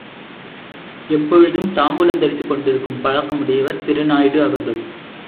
எப்பொழுதும் தாம்பூலம் தரித்துக் கொண்டிருக்கும் பழக்கமுடையவர் திருநாயுடு அவர்கள்.